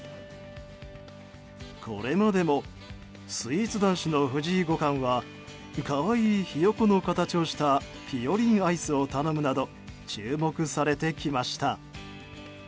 これまでもスイーツ男子の藤井五冠は可愛いヒヨコの姿をしたぴよりんアイスを頼むなど注目されてきました。